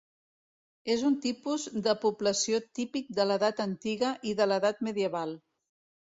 És un tipus de població típic de l'edat antiga i de l'edat medieval.